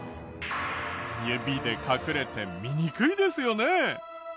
指で隠れて見にくいですよね。